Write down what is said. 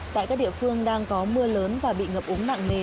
tại các địa phương đang có mưa lớn và bị ngập úng nặng nề